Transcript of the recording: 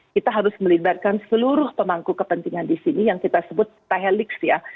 kita harus melibatkan seluruh pemangku kepentingan di sini yang kita sebut pahelix ya